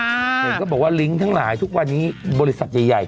เห็นก็บอกว่าลิงก์ทั้งหลายทุกวันนี้บริษัทใหญ่